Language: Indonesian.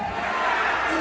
tidak akan berulang